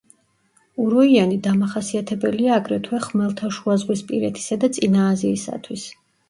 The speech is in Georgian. უროიანი დამახასიათებელია აგრეთვე ხმელთაშუაზღვისპირეთისა და წინა აზიისათვის.